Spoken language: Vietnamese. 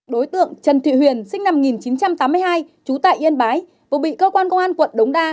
đối tượng trần thị huyền sinh năm một nghìn chín trăm tám mươi hai trú tại yên bái vừa bị cơ quan công an quận đống đa